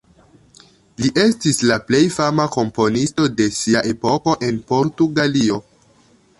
Li estis la plej fama komponisto de sia epoko en Portugalio.